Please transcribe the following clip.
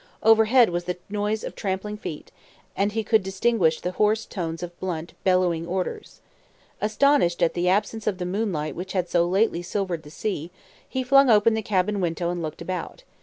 Overhead was the noise of trampling feet, and he could distinguish the hoarse tones of Blunt bellowing orders. Astonished at the absence of the moonlight which had so lately silvered the sea, he flung open the cabin window and looked out.